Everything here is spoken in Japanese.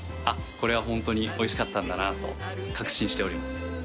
これはホントにおいしかったんだなと確信しております。